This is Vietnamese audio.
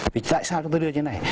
vì tại sao chúng tôi đưa như thế này